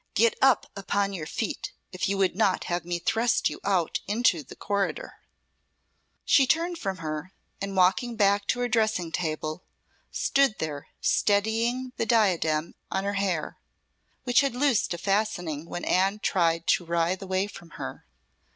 Get up upon your feet if you would not have me thrust you out into the corridor." She turned from her, and walking back to her dressing table, stood there steadying the diadem on her hair, which had loosed a fastening when Anne tried to writhe away from her.